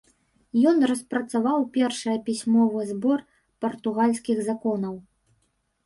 Ён распрацаваў першае пісьмовы збор партугальскіх законаў.